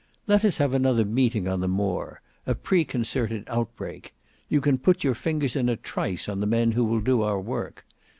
Let us have another meeting on the Moor, a preconcerted outbreak; you can put your fingers in a trice on the men who will do our work.